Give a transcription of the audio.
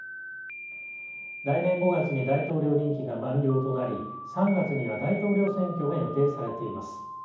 来年５月に大統領任期が満了となり３月には大統領選挙が予定されています。